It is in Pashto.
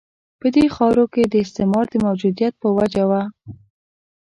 په دې خاورو کې د استعمار د موجودیت په وجه وه.